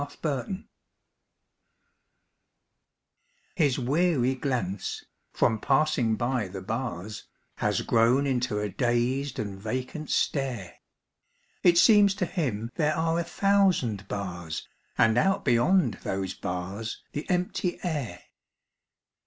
THE PANTHER His weary glance, from passing by the bars, Has grown into a dazed and vacant stare; It seems to him there are a thousand bars And out beyond those bars the empty air.